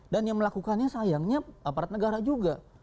dan yang melakukannya sayangnya aparat negara juga